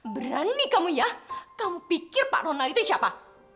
berani kamu ya kamu pikir pak ronald itu siapa